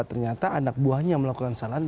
ternyata anak buahnya melakukan kesalahan